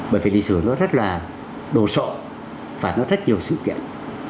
bởi vì lịch sử nó rất là đồ sộ và nó rất nhiều sự kiện